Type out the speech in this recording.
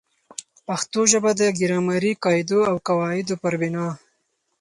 پښتو ژبه د ګرامري قاعدو او قوا عدو پر بناء